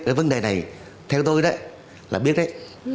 cái vấn đề này theo tôi là biết đấy